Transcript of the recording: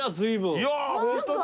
いやーホントだ！